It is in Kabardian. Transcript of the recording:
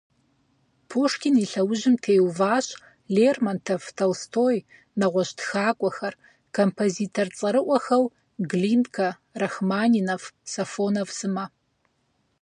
Пушкин и лъэужьым теуващ Лермонтов, Толстой, нэгъуэщӀ тхакӀуэхэр, композитор цӀэрыӀуэхэу Глинкэ, Рахманинов, Сафонов сымэ.